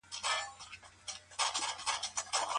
آیا ستا په اند مورنۍ ژبه د پرمختګ لامل ده؟